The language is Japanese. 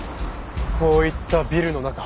こういったビルの中。